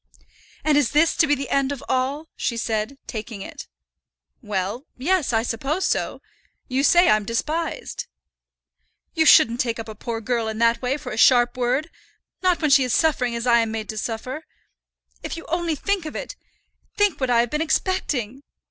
"And is this to be the end of all?" she said, taking it. "Well, yes; I suppose so. You say I'm despised." "You shouldn't take up a poor girl in that way for a sharp word, not when she is suffering as I am made to suffer. If you only think of it, think what I have been expecting!"